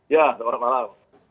ya selamat malam